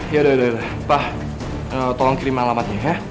yaudah yaudah yaudah pak tolong kirim alamatnya ya